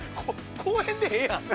公園でええやん。